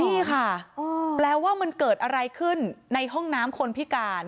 นี่ค่ะแปลว่ามันเกิดอะไรขึ้นในห้องน้ำคนพิการ